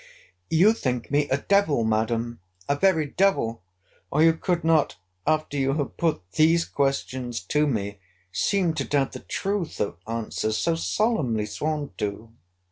You think me a devil, Madam; a very devil! or you could not after you have put these questions to me, seem to doubt the truth of answers so solemnly sworn to.